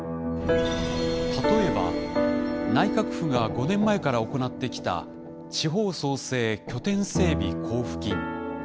例えば内閣府が５年前から行ってきた地方創生拠点整備交付金。